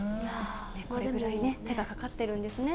これぐらいね、手がかかってるんですね。